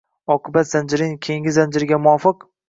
Oqibatlar zanjirining keyingi zanjiriga muvofiq